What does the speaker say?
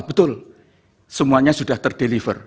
nah betul semuanya sudah ter deliver